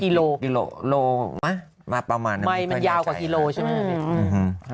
ก็กิโลไม่มันยาวกว่ากิโลใช่ไหม